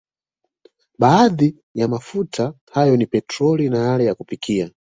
Baadhi ya mafuta hayo ni petroli na yale ya kupikia